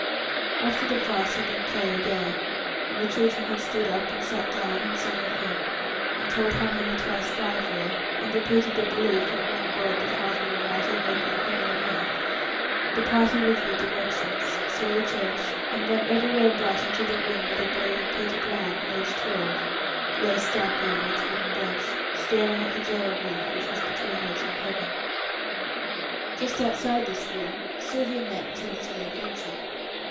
After the farce had been played again, and the children had stood up and sat down, and sung a hymn, and told how many twice five were, and repeated their belief in "One God the Father Almighty, maker of Heaven and Earth", the party reviewed the workshops, and saw the church, and went everywhere but into the room where the body of Peter Brown, aged twelve, lay starkly on its wooden bench, staring at the gaol roof which was between it and Heaven. Just outside this room, Sylvia met with a little adventure.